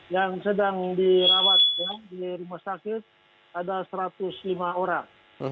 yang sedang dirawat di rumah sakit ada satu ratus lima orang